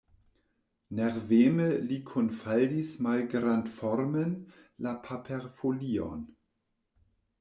Nerveme li kunfaldis malgrandformen la paperfolion.